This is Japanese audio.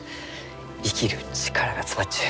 生きる力が詰まっちゅう。